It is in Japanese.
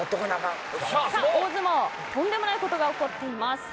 大相撲、とんでもないことが起こっています。